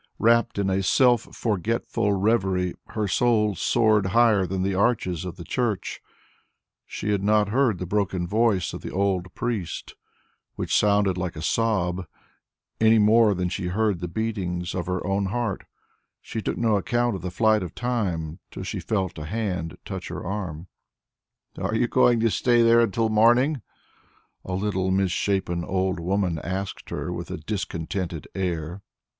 Rapt in a self forgetful reverie, her soul soared higher than the arches of the church; she had not heard the broken voice of the old priest, which sounded like a sob, any more than she heard the beatings of her own heart; she took no account of the flight of time till she felt a hand touch her arm. "Are you going to stay there till morning?" a little misshapen old woman asked her with a discontented air.